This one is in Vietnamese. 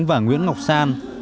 và nguyễn ngọc san